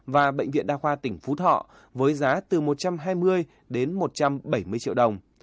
và bệnh viện đa khoa tỉnh phú thọ với giá từ một trăm hai mươi đến một trăm bảy mươi triệu đồng